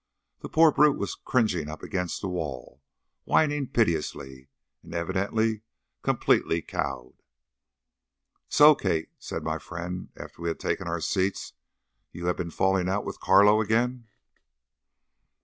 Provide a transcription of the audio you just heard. The poor brute was cringing up against the wall, whining piteously, and evidently completely cowed. "So Kate," said my friend, after we had taken our seats, "you have been falling out with Carlo again."